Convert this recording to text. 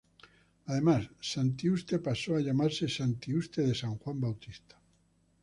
Además Santiuste pasó a llamarse Santiuste de San Juan Bautista.